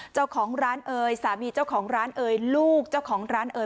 เจ้าของร้านเอ่ยสามีเจ้าของร้านเอ่ยลูกเจ้าของร้านเอ่ย